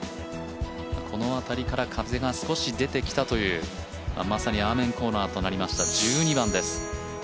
この辺りから風が少し出てきたというまさにアーメンコーナーとなりました、１２番です。